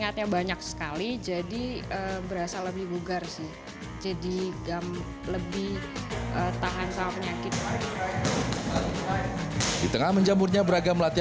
jadi kalau kamu mau berlatih kamu harus berlatih